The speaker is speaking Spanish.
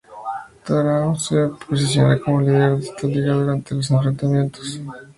Taoro se posiciona como líder de esta liga durante los enfrentamientos contra los conquistadores.